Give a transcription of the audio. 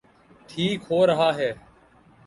ٹھیک ہو رہا ہے۔